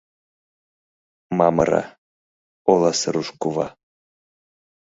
Мамыра — оласе руш кува.